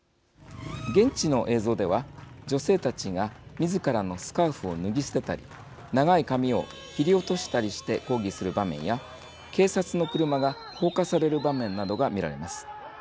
現地の映像では女性たちがみずからのスカーフを脱ぎ捨てたり長い髪を切り落としたりして抗議する場面や警察の車が放火される場面などが見られます。